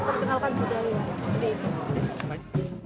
agar bisa mengurutkan budaya